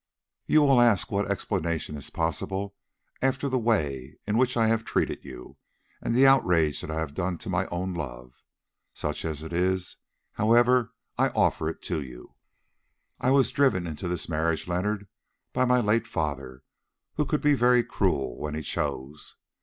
"You will ask what explanation is possible after the way in which I have treated you, and the outrage that I have done to my own love. Such as it is, however, I offer it to you. "I was driven into this marriage, Leonard, by my late father, who could be very cruel when he chose.